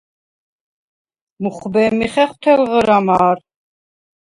მუხვბე̄მი ხეხვ თელღრა მა̄რ.